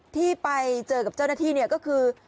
ที่ไปเจอกับเจ้าหน้าที่เนี่ยก็คือ